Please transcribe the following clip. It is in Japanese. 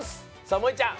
さあもえちゃん